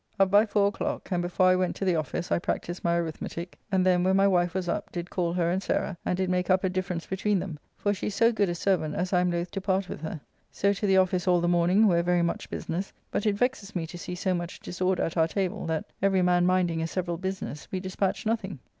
Up by four o'clock, and before I went to the office I practised my arithmetique, and then, when my wife was up, did call her and Sarah, and did make up a difference between them, for she is so good a servant as I am loth to part with her. So to the office all the morning, where very much business, but it vexes me to see so much disorder at our table, that, every man minding a several business, we dispatch nothing.